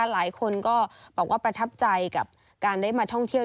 หลายคนก็บอกว่าประทับใจกับการได้มาท่องเที่ยว